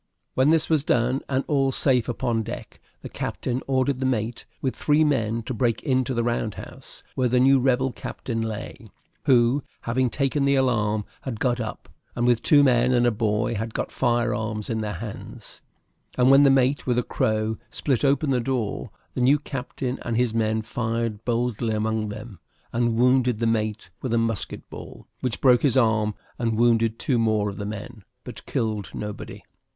When this was done, and all safe upon deck, the captain ordered the mate, with three men, to break into the round house, where the new rebel captain lay, who, having taken the alarm, had got up, and with two men and a boy had got fire arms in their hands; and when the mate, with a crow, split open the door, the new captain and his men fired boldly among them, and wounded the mate with a musket ball, which broke his arm, and wounded two more of the men, but killed nobody.